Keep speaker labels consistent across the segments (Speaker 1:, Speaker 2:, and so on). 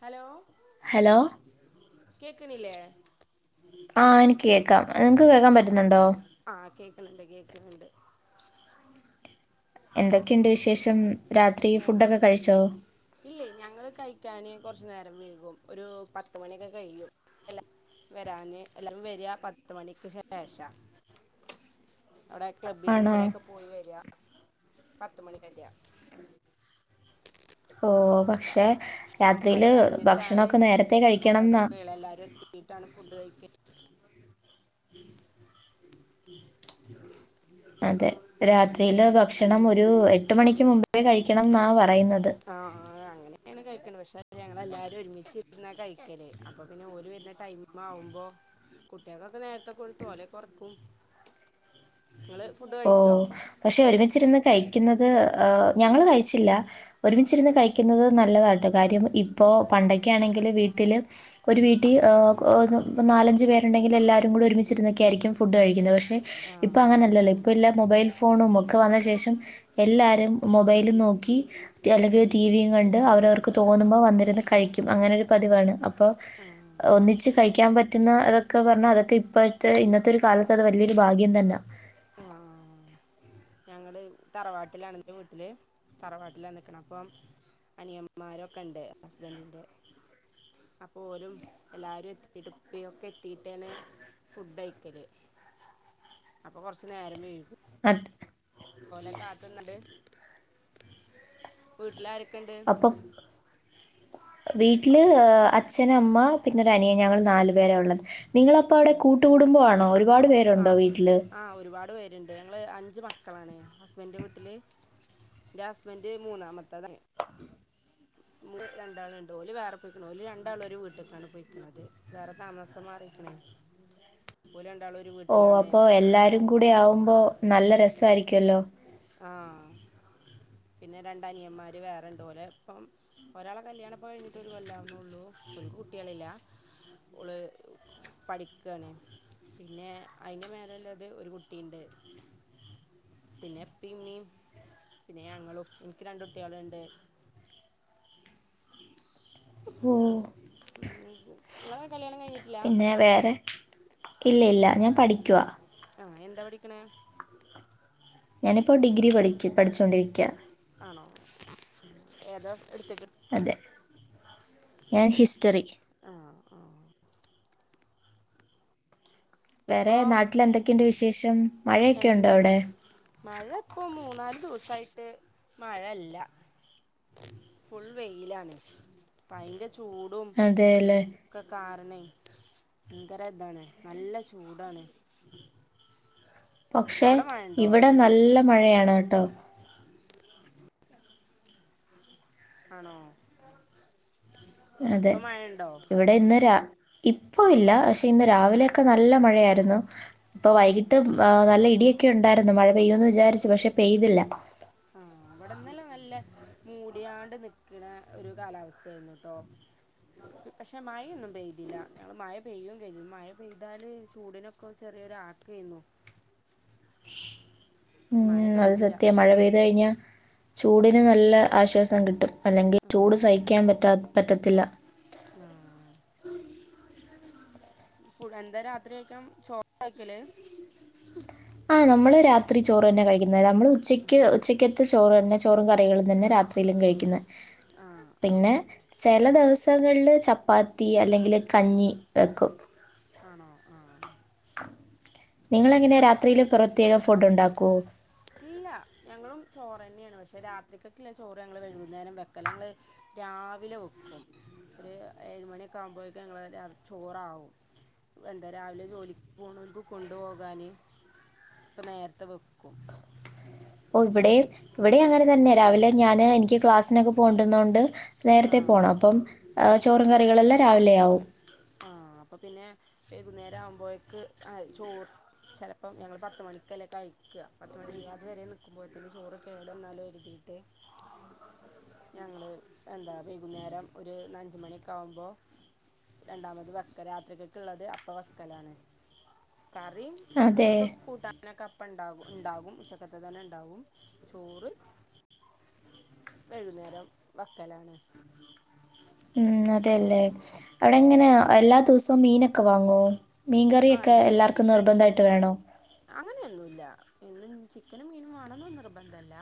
Speaker 1: Hello
Speaker 2: hello
Speaker 1: കേക്കണില്ലേ
Speaker 2: ആഹ് എനിക്ക് കേക്കാം. നിങ്ങക്ക് കേക്കാൻ പറ്റുന്നുണ്ടോ?
Speaker 1: ആ കേക്കണണ്ട് കേക്കണണ്ട്
Speaker 2: എന്തൊക്കെയുണ്ട് വിശേഷം രാത്രി
Speaker 1: ഏ
Speaker 2: ഫുഡൊക്കെ കഴിച്ചോ
Speaker 1: ഇല്ല ഞങ്ങള് കഴിക്കാന് കുറച്ചു നേരം വെയ്കും ഒരു പത്തു മണിയൊക്കെ കയിയും എല്ലാ വരാന് എല്ലാവരും വരിക പത്ത് മണിക്ക് ശേഷാ അവിടെ ക്ലബ്ബിലും
Speaker 2: ആണോ
Speaker 1: ഇവിടെക്കെ പോയി വര പത്ത് മണി കല്യാ
Speaker 2: ഓ പക്ഷെ
Speaker 1: അപ്പോൾ അത്
Speaker 2: രാത്രിയില്
Speaker 1: കഴിഞ്ഞിട്ടാണ്
Speaker 2: ഭക്ഷണൊക്കെ നേരത്തെ
Speaker 1: ഫുഡൊക്കെ
Speaker 2: കഴിക്കണംന്നാ
Speaker 1: കഴിക്കുക എല്ലാവരും എത്തിട്ടാണ് ഫുഡ് കഴിക്കുന്നത്
Speaker 2: അതെ രാത്രിയില്
Speaker 1: ഉം
Speaker 2: ഭക്ഷണം ഒരു എട്ട് മണിക്ക് മുമ്പ് ത്തെ കഴിക്കണം ന്നാ പറ
Speaker 1: ആ അങ്ങനെയാണ് കഴിക്കണ്ടെ പക്ഷേ പക്ഷ ഞങ്ങ എല്ലാരും ഒരുമിച്ചച്ച് ഇരുന്നാ കഴിക്കല്േ അപ്പൊ പിന്നെ ഓല് വരുന്ന ടൈം ആവുമ്പോ കുട്ടികൾക്ക് നേരത്തെ കൊടുത്ത് അവരെ ഉറക്കും നിങ്ങള് ഫുഡ്
Speaker 2: ഓ
Speaker 1: കഴിച്ചോ
Speaker 2: പക്ഷെ ഒരുമിച്ചിരുന്ന കഴിക്കുന്നത് ഞങ്ങള് കഴിച്ചില്ല
Speaker 1: ആ
Speaker 2: ഒരുമിച്ചിരുന്ന് കഴിക്കുന്നത് നല്ലതാണ് കാര്യം ഇപ്പൊ പണ്ടൊക്കെആണെങ്കിൽ വീട്ടില് ഒരു വീട്ടി നാലഞ്ചു പേ ണ്ടെങ്കില് എല്ലാരുംകൂടി ഒരുമിച്ചിരുന്ന് ക്കെ ആയിരിക്കും ഫുഡ്‌ കഴിക്കുന്നേ പക്ഷെ
Speaker 1: ആ
Speaker 2: ഇപ്പൊ അങ്ങനല്ലല്ലോ എല്ലാം മൊബൈൽഫോണും ഒക്കെ വന്ന ശേഷം എല്ലാരും മൊബൈലും നോക്കി ചിലത് ടീവിയും കണ്ട് അവരവർക്ക് തോ ന്നുമ്പോ വന്നിരുന്ന് കഴിക്കും അങ്ങനൊരു പതിവാണ് അപ്പൊ
Speaker 1: ആ
Speaker 2: പ്പൊ ഒന്നിച്ച് കഴിക്കാൻ പ റ്റുന്ന അതൊക്കെ പറഞ്ഞാൽ അതൊക്കെ ഇപ്പോഴത്തെ ഒരു കാലത്ത് അതൊക്കെ വല്യ ഭാഗ്യം തന്ന
Speaker 1: അ ഞങ്ങള് തറവാട്ടിലാണ് ന്റെ വീട്ടില് തറവാട്ടില നിക്ക്‌ണെ അപ്പം അനിയന്മാരൊക്കെ ണ്ട് ഹസ്ബൻഡിന്റെ അപ്പോ ഓരും എല്ലാരും എത്തീട്ട് പ്പൊക്കെ എത്തീട്ടാണ് ഫുഡ് കഴിക്കല് അപ്പൊ കൊറച്ച് നേരം വെഴ്‌കും
Speaker 2: [inaudible]
Speaker 1: ഓലെ കാത്ത്ന്ന്ട്ട് വീട്ടില ക്കണ്ട്
Speaker 2: വീട്ടില് അച്ഛന മ്മ പിന്നെ ഒരു അനിയൻ ഞങ്ങൾ നാല് പേര ഉള്ളത് നിങ്ങള അപ്പ അവിടെ കൂട്ടുകുടുമ്പാണോ ഒരുപാട് പേരുണ്ടോ വീട്ടില്
Speaker 1: ണ്ട് ഞങ്ങൾ അഞ്ച് മക്കളാണ് ഹസ്ബൻന്റെ വീട്ടിൽ എന്റെ ഹസ്ബൻഡ് മൂന്നാമ [unintelligible] ണ്ട് രണ്ടാള്ണ്ട് ഓല് വേറെ പോയിക്ക്‌ണ് ഓല് രണ്ടാളും ഒരു വീട്ട്ക്കാണ് പൊയിക്കണത് വേറെ താമസം മാറിക്ക്‌ണേഓ
Speaker 2: ഓ അപ്പൊ എല്ലാരും കൂടെ ആവുമ്പോ നല്ല രസായിരിക്കല്ലോ
Speaker 1: ആ പിന്നെ രണ്ട് അനിയന്മാര് വേറെണ്ട് ഓലെപ്പം ഒരാളെ കഴിഞ്ഞിട്ട് പ്പം ഒരു കൊല്ലാവുന്നേ ള്ളൂ ഓല്ക്ക്‌ കുട്ട്യാളില്ല ഓള് പഠിക്കാണ് പിന്നെ അയിന്റെ മേലുള്ളത് ഒരു കുട്ടിണ്ട് പിന്നെ പ്പ മ്മീം പിന്നെ ഞങ്ങളും ന്ക്ക് രണ്ട് കുട്ട്യാള്ണ്ട്
Speaker 2: ഓ
Speaker 1: നിങ്ങളെ കല്യാണം കഴിഞ്ഞിട്ടില്ല
Speaker 2: പിന്നെ വേറെ ഇല്ലയില്ല ഞാൻ പഠിക്കുവാ
Speaker 1: ആഹ് എന്താ പഠിക്കണെ
Speaker 2: ഞാനിപ്പോ ഡിഗ്രി പഠിചു പഠിച്ചുകൊണ്ടിരിക്കയാ
Speaker 1: ആണോ ഏതാ എടു
Speaker 2: അതെ ഞാൻ ഹിസ്റ്ററി
Speaker 1: ആഹ് ആഹ്
Speaker 2: വേറെ
Speaker 1: ഇപ്പം
Speaker 2: നാട്ടിൽ എന്തൊക്കെയുണ്ട് വി ശേഷം
Speaker 1: എന്താ മഴ ഇപ്പൊ മൂന്നാല് രു ദിവസമായിട്ട് മഴല്ല ഫൾ വെയിലാണ് ഭയര ചൂടും
Speaker 2: അതെ അല്ലേ
Speaker 1: ഒക്കെ കാ ഭയങ്കര ഇതാണ് നല്ല ചൂടാണ്
Speaker 2: പക്ഷേ
Speaker 1: അവിടെ മഴണ്ടോ
Speaker 2: ഇവിടെ നല്ല മഴയാണ് ത്ത
Speaker 1: ആണോ
Speaker 2: അതെ
Speaker 1: ഇപ്പൊ മഴണ്ടോ
Speaker 2: ഇവിടെ ഇന്നരാ ഇപ്പ ഇല്ല പക്ഷെ ഇന്ന് രാവിലെയൊക്കെ നല്ല മഴയായിരുന്നു. ഇപ്പൊ വൈകിട്ട് നല്ല ഇടിയ ഒക്കെ ഉണ്ടായിരുന്നു മഴ പെയ്യു വിചാരിച്ചു പക്ഷെ പെയ്തില്ല
Speaker 1: ആഹ് ഇവിടെ ഇന്നലെ നല്ല മൂടിയാണ്ട് നിക്കണ ഒരു കാലാവസ്ഥായിരുന്നുട്ടോ പക്ഷെ മഴയൊന്നും പെയ്തില്ല ഞങ്ങള് മഴ പെയ്യയും കഴതില്ല മഴ പെയ്താല് ചൂടിനൊക്കെ ചെറിയൊ ആക്ക്യന്നു.
Speaker 2: ഉം അത് സത്യ മഴ പെയ്ത് കഴിഞ്ഞ ചൂടിന് നല്ല ആശ്വാസം കിട്ടും അല്ലെങ്കിൽ ചൂട് സഹിക്കാൻ പറ്റാത്ത പറ്റത്തില്ല.
Speaker 1: ഉ ഫുഡ് എന്താ രാത്രി ആക്കാം ചോറാക്കല്
Speaker 2: ആ നമ്മള് രാത്രി ചോറ് തന്നെ കഴിക്കുന്ന നമ്മൾ ഉച്ചയ്ക്ക് ഉച്ചക്ക് ചോറ് ചോറും ക റികളും തന്നെ രാത്രിയിലും കഴിക്കുന്നത്.
Speaker 1: ആഹ് ആഹ്
Speaker 2: പിന്നെ
Speaker 1: അതെ
Speaker 2: ചില ദിവസം തങ്ങളിൽ ചപ്പാത്തി അല്ലെങ്കിൽ കഞ്ഞി വെക്കും.
Speaker 1: ആണോ ആഹ്
Speaker 2: നിങ്ങളെ എങ്ങനെ രാത്രിയില് പ്രത്യേക ഫുഡ് ഉണ്ടാക്കൂ
Speaker 1: ഇല്ല ഞങ്ങളും ചോറെന്നേണ് പക്ഷെ രാത്രിക്കക്കില്ലേ ചോറ് ഞങ്ങള് വൈകുന്നേരം വെക്കലാ ഞങ്ങള് രാവിലെ വെക്കും ഒരു ഏഴുമണിയക്കെ ആവുമ്പോഴേക് ഞങ്ങള് ചോറാവും എന്താ രാവിലെ ജോലിക്ക് പോണോര്ക്ക്‌ കൊണ്ടു പോകാന് ഇപ്പ നേരത്തെ വെക്കും.
Speaker 2: ഓ ഇവിടെയും ഇവിടെ അങ്ങനെ തന്നെയാ രാവിലെ ഞാന് എനിക്ക് ക്ലാസ്സിനൊക്കെ പോണ്ടുന്നോണ്ട് നേരത്തെ
Speaker 1: ആഹ്
Speaker 2: പോണം അപ്പം ചോറും കറികളെല്ലാം രാവിലെ ആവും
Speaker 1: ആഹ അപ്പൊ പിന്നെ വൈകുന്നേരം ആവുമ്പോഴേക്ക് ചോറ് ചെലപ്പം ഞങ്ങള് പത്ത് മണിക്കല്ലേ കഴിക്കുക പത്തുമണികാ അതു വരെ നക്കുമ്പോ തന്നെ ചോറ് കേട വന്നാലും എരുതിട്ട് ഞങ്ങള് എന്താ വൈകുന്നേരം ഒരു അഞ്ചു മണിയൊക്കെ ആകുമ്പോ രണ്ടാമത് വെക്കലാ രാത്രിലേക്ക്‌ള്ളത് അപ്പ വെക്കലാണ്. കറീം
Speaker 2: അതെ
Speaker 1: ഇതൊക്കെ കൂട്ടനൊക്കെ അപ്പണ്ടാകും. ഉണ്ടാകും ഉച്ചക്കത്ത് തന്നെ ഉണ്ടാവും ചോറ് വൈകുന്നേരം വെക്കലാണ്.
Speaker 2: മ് അ അതെല്ലേ
Speaker 1: ഉം ആഹ്
Speaker 2: അവടെങ്ങനെ എല്ലാ ദുവസോം മീന ഇക്ക വാങ്ങോ
Speaker 1: ആന്ന് ചിക്കണ്ട്
Speaker 2: വേണോ
Speaker 1: അങ്ങനെ ഒന്നും ഇല്ല ചിക്കനും മീനും വാണന്നൊന്നും നിർബന്ധല്ല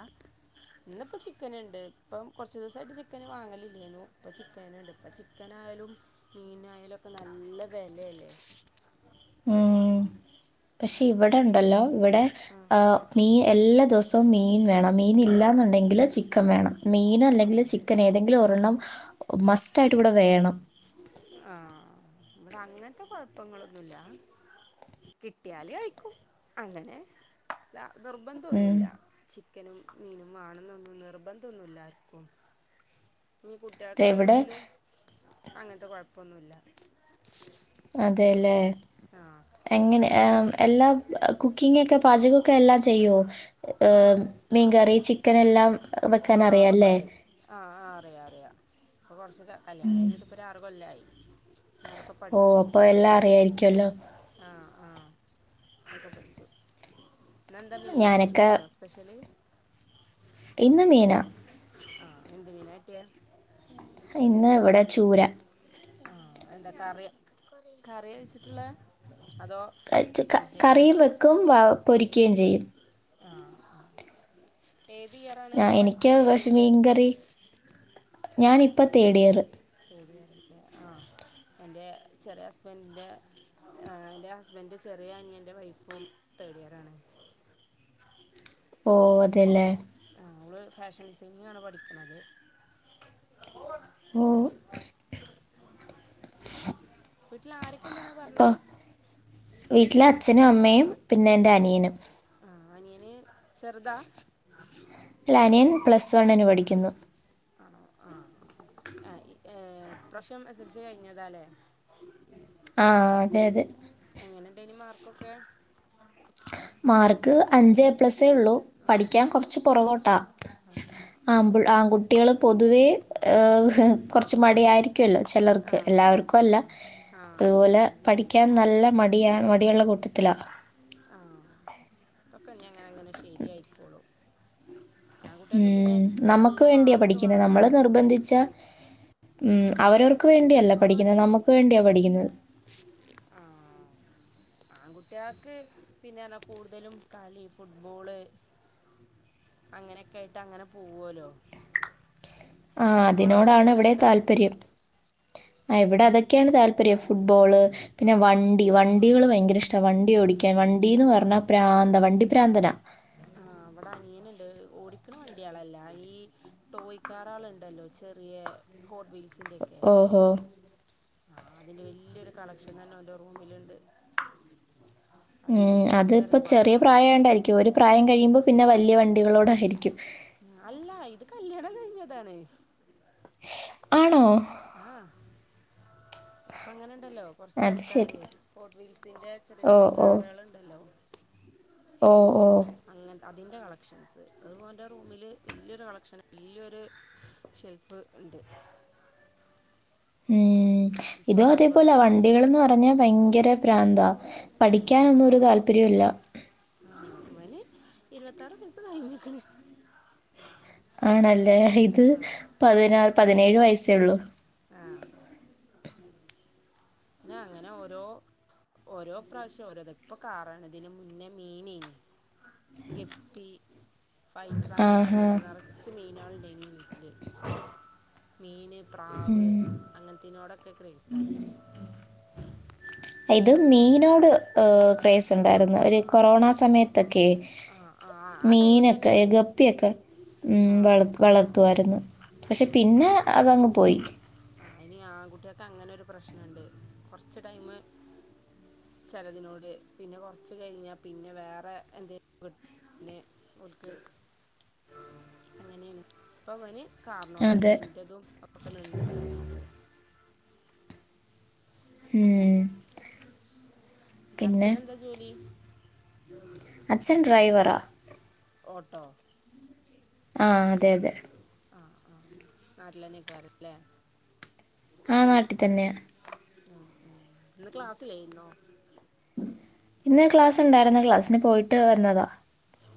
Speaker 1: ഇന്നിപ്പോ ചിക്കന്ണ്ട് ഇപ്പൊ കൊറച്ച് ദിവസായ്റ്റ് ചിക്കനൊന്നും വാങ്ങലില്ലേരുന്നു ഇപ്പ ചിക്കന്ണ്ട് ഇപ്പ ചിക്കനായാലും മീനായാലും ഒക്കെ നല്ല വിലേല്ലേ
Speaker 2: ഉം പക്ഷെ ഇവിടെ ഉണ്ടല്ലോ ഇവിടെ
Speaker 1: ആഹ്
Speaker 2: മീൻ എല്ലാ ദിവസം മീൻ വേണം മീൻ ഇല്ലാന്നുണ്ടെങ്കില് ചിക്കൻ വേണം മീൻ അല്ലെങ്കിൽ
Speaker 1: ആഹ്
Speaker 2: ചിക്കൻ ഏതെങ്കിലും ഒരെണ്ണം മസ്റ്റ് ആയിട്ട് ഇവിടെ വേണം
Speaker 1: ആഹ് ഇവിടെ അങ്ങനത്തെ കുഴപ്പങ്ങളൊന്നുല്ല കിട്ടിയാല് കഴിക്കും അങ്ങനെ അത നിർബന്ധം
Speaker 2: ഉം
Speaker 1: ഒന്നുമില്ല ചിക്കനും മീനും വാണന്നൊന്നും നിർബന്ധന്നുമല്ലാര്ക്കും ഞ്ഞി
Speaker 2: ഇവിടെ
Speaker 1: കുട്ട്യാൾക്കാണെങ്കിലും അങ്ങനെ അങ്ങനത്ത കുഴപ്പൊന്നുമല്ല
Speaker 2: അതേല്ലേ എങ്ങനെ ഏഹ് എല്ലാം കുക്കിങ്ങൊക്കെ പാചകൊക്കെ എല്ലാം ചെയ്യോ ഹ്
Speaker 1: ആഹ്
Speaker 2: മീൻകറി ചിക് ക്കനെല്ലാം
Speaker 1: ആഹ് അതൊക്കെ അറിയും ആഹ് അറിയാ അറിയാ ഇപ്പൊ കൊറചൊക്കെ കല്യാണം കഴിഞ്ഞട്ട്പ്പൊര് ആറ് കൊല്ലായി ഞാൻ അതൊക്കെ
Speaker 2: ഓ
Speaker 1: പഠിച്ചു
Speaker 2: അപ്പൊ എല്ലാം അറിയായിരിക്കൊല്ലോ
Speaker 1: പൊക്കെ പഠിച്ചു ഇന്ന് എന്താ മീനോ
Speaker 2: ഞാനൊക്കെ
Speaker 1: ചിക്കനോ സ്പെഷ്യല്
Speaker 2: ഇന്ന് മീന
Speaker 1: ആ എന്ത് മീനാ കിട്ടിയ
Speaker 2: ഇന്ന് ഇവിടെ ചൂര
Speaker 1: ആ എന്താ കറി കറി കഴിച്ചിട്ടുള്ള
Speaker 2: കറിയും വെക്കും പൊ രിക്കേം ചെയ്യും
Speaker 1: ആ ആ ഏത് ഇയറാണ്
Speaker 2: ഞാൻ എനിക്ക്
Speaker 1: പഠിക്കുന്നത്
Speaker 2: ഞാൻ ഇപ്പം തേടിയറ്
Speaker 1: എന്റെ ചെറിയ ഹസ്ബൻഡിൻ്റെ എൻ്റെ ഹസ്ബൻ്റെ ചെറിയ അനിയൻ്റെ വൈഫും തേഡ് ഇയറ് ആണ്
Speaker 2: ഓ അതെല്ലേ
Speaker 1: ഓൾ ഫാഷൻ ഡിസൈനിംങ്ങ് ആണ് പഠിക്കുന്നത്
Speaker 2: ഓ
Speaker 1: വീട്ടിൽ ആരൊക്കെ ഇണ്ടന്നാ പറഞ്ഞേ?
Speaker 2: വീട്ടില് അച്ഛനും അമ്മയും പിന്നെ എന്റെ അനിയനും.
Speaker 1: ആഹ് അനിയൻ ചെറുതാ?
Speaker 2: ഇല്ല അനിയൻ പ്ലസ് വണ്ണിന് പഠിക്കുന്നു.
Speaker 1: ആണോ ആഹ് ആ ഏഹ് ഇപ്രാവശ്യം എസ് എസ് എൽ സി കഴിഞ്ഞതാല്ലേ?
Speaker 2: ആഹ് അതെ അതെ.
Speaker 1: എങ്ങനെയിണ്ടേനി മാർക്കൊക്കെ?
Speaker 2: മാർക്ക് അഞ്ച് ഏ പ്ലസ് തേള്ള പഠിക്കാൻ കുറച്ച് പുറകോട്ടാ ആ ആൺ കുട്ടികള് പൊതുവേ ഏഹ് കുറച്ച് മടിയായിരി ക്കുവല്ലോ
Speaker 1: ആ
Speaker 2: ചിലർക്ക് എല്ലാർക്കുവല്ല
Speaker 1: ആ ആ
Speaker 2: ഇതുപോലെ പഠിക്ക ക്കാൻ നല്ല മടിയ മടിയുള്ള കൂട്ടത്തിലാ.
Speaker 1: ആഹ് ഇപ്പ [unintelligible] അങ്ങനെ അങ്ങനെ ശരിയായിക്കോളും. ആൺ കുട്ടികക്ക്
Speaker 2: ഉം,
Speaker 1: പിന്നെ നല്ല
Speaker 2: നമുക്ക് വേണ്ടിയാ
Speaker 1: മാർക്ക്
Speaker 2: പഠിക്കുന്നത് നമ്മൾ
Speaker 1: വേണന്നൊന്നുല്ലല്ലോ
Speaker 2: നിർബന്ധിച്ച ഉം, അവരവർക്ക് വേണ്ടിയല്ല പഠിക്കുന്നത് നമുക്ക് വേണ്ടിയാ പഠിക്കുന്നത്
Speaker 1: ആഹ് ആൺകുട്ടി കക്ക് പിന്നെ കൂടുതലും കളി ഫുട്ബോള് അങ്ങനെയൊക്കെയിട്ട് അങ്ങനെ പോകുമല്ലോ?
Speaker 2: ആ അതിനോടാണ് ഇവിടെയും താല്പര്യം. ആ ഇവിടെ അതൊക്കെയാണ് താല്പര്യം ഫുട്ബോള് പിന്നെ വണ്ടി വണ്ടികള് ഭയങ്കര ഇഷ്ട വണ്ടി ഓടിക്കാൻ വണ്ടീന്ന് പറഞ്ഞാൽ പ്രാന്ത വണ്ടി പ്രാന്തനാ
Speaker 1: ആ അവട അനിയനിണ്ട്, ഓടിക്കണ വണ്ടി ആളല്ല, ഈ ടോയ്ക്കാറ ആള്ണ്ടല്ലോ ചെറിയ ഹോട് വീൽ സിന്റെക്കെ
Speaker 2: ഓഹോ
Speaker 1: ആ അതിന്റെ വെല്യൊരു കളക്ഷൻ തന്നെ ഓന്റെ റൂമിലുണ്ട്.
Speaker 2: മ്
Speaker 1: അതിന് ഭയങ്കര
Speaker 2: അതിപ്പ ചെറിയ
Speaker 1: ഇമ്പോർട്ടൻ്റാ
Speaker 2: പ്രായണ്ടായിരി ക്കു ഒരു പ്രായം കഴിയുമ്പോ പിന്നെ വല്യ വണ്ടികളോട് ഹരിക്കും.
Speaker 1: അല്ല ഇത് കല്യാണം കഴിഞ്ഞതാണ്.
Speaker 2: ആണോ
Speaker 1: ആ ഇപ്പ അങ്ങനെണ് ണ്ടല്ലോ കൊറച്ച്
Speaker 2: അത് ശരി
Speaker 1: ആൾക്കാര് ഫോർട് വീൽസിന്റെ ചെറിയ
Speaker 2: ഓ
Speaker 1: ചെറിയ
Speaker 2: ഓ
Speaker 1: കാറ്കള്ണ്ടല്ലോ.
Speaker 2: ഓ ഓ
Speaker 1: അങ്ങനത്തെ അതിൻ്റെ കളക്ഷൻസ് അത് ഓൻ്റെ റൂമില് വെല്യോരു കളക്ഷൻ വാല്യോരു ഷെൽഫ് ഇണ്ട്.
Speaker 2: മ് ഇത് അതേപോല വണ്ടികൾന്ന് പറഞ്ഞാ ഭയങ്ക റ്റെ പ്രാന്ത.
Speaker 1: ആ
Speaker 2: പഠിക്കാനൊന്നും ഒരു താൽപര്യുല്ല. [inaudible]
Speaker 1: ആ അവന് ഇരുപത്താറ് വയസ്സ് കഴിഞ്ഞ്ക്ക്ണ്
Speaker 2: ആണ് ല്ലേ ഇത് പതിനാല് പതിനേഴ് വയസ്സേള്ളൂ
Speaker 1: ആ പിന്നെ അങ്ങനെ ഓരോ ഓരോ പ്രാവശ്യം ഓരോത് തിപ്പ കാറാണ് ഇതിന് മുന്നേ മീനേനി ഗെപ്പി ഫൈറ്റർ അങ്ങനത്തെ
Speaker 2: ആഹാ.
Speaker 1: മീനുകൾ നറച്ച് മീനാള് മീനും വീട്ടില് മീന് പ്രാവ് അങ്ങനത്തിനോടൊക്കെ ക്രേസാണ്
Speaker 2: ഇത് മീനോട് എ ക്രേസ് ഉണ്ടായിരുന്നു ഒരു കൊറോണ സമയത്ത് ക്കെ
Speaker 1: ആഹ് ആഹ് ആ ടൈമിൽ
Speaker 2: മീനൊക്കെ
Speaker 1: തന്നെയാണ്
Speaker 2: ഗപ്പിയൊക്കെ ഉം വള
Speaker 1: ആഹ്
Speaker 2: വളർത്തുവായിരുന്നു പക്ഷെ പിന്നെ അതങ്ങ് പോയി [inaudible]
Speaker 1: അ അയിന് ആൺകുട്ട്യാക്ക് അങ്ങനെ ഒരു പ്രശ്നണ്ട് കൊറച്ച് ടൈമ് ചെലതിനോട് പിന്നെ കൊറച്ച് കഴിഞ്ഞാ പിന്നെ വേറെ എന്തെങ്ങു കിട്ടു ഓൽക്ക് അങ്ങനെണ് ഇപ്പവന് കാർന്നോടാണ്
Speaker 2: അതെ.
Speaker 1: മീൻ്റതും ഒക്കെ നിന്ന്ക്ക്ണ്
Speaker 2: ഉം
Speaker 1: ന്നെ
Speaker 2: പിന്നെ
Speaker 1: അച്ചനെന്താ ജോലി
Speaker 2: അച്ഛൻ ഡ്രൈവറാ
Speaker 1: ഓട്ടോ
Speaker 2: ആ അതെ അതെ
Speaker 1: ആ ആ നാട്ടിലെന്നെയ്ക്കാരംല്ലെ
Speaker 2: ആ നാട്ടിതന്നെ
Speaker 1: ഉ ഉ ഇന്ന് ക്ലാസ്സിലെയിന്നോ
Speaker 2: ഇന്ന് ക്ലാസ് ഉണ്ടായിരുന്നു ക്ലാസ്സിന് പോയിട്ട് വന്നതാ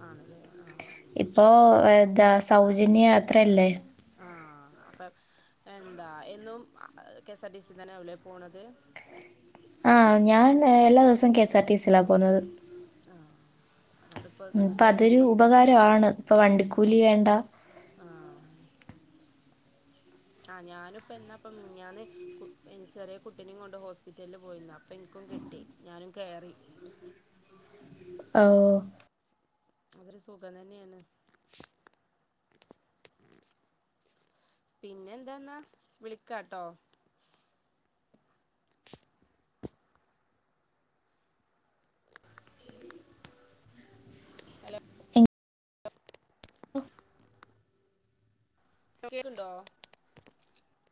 Speaker 1: ആണല്ലേ ആഹ് ശരി
Speaker 2: ഇപ്പോ എന്താ സൗജന്യ യാത്രല്ലേ
Speaker 1: ആ അപ്പൊ എന്താ എന്നും കെഎസ് ആർ ടി സി തന്നെ ആവുംല്ലേ പോണത്
Speaker 2: ആ ഞാൻ എല്ലാ ദിവസവും കെഎസ് ആർ ടി സിയിലാ പോകുന്നത്
Speaker 1: ആ അതുകൊണ്ട് പ്പം
Speaker 2: ഉം, അപ്പം
Speaker 1: സുഖായിരിക്കും
Speaker 2: അതൊരു
Speaker 1: ബസ്സിന്
Speaker 2: ഉപകാരമാണ്. ഇപ്പം
Speaker 1: ആ
Speaker 2: വണ്ടിക്കൂലി വേണ്ട.
Speaker 1: ആ ആ ഞാനും പ്പൊ ന്നാപ്പൊ മിഞ്ഞാന് ചെറിയ കുട്ടിനേം കൊണ്ട് ഹോസ്പിറ്റലില് പോയിന് അപ്പൊ ഇൻക്കും കിട്ടി ഞാനും കേറി
Speaker 2: ഓ
Speaker 1: അതൊരു സുഖം തന്നെണ് പിന്നെന്താന്നാ വിളിക്കാട്ടോ ഹലോ
Speaker 2: [inaudible]
Speaker 1: [inaudible]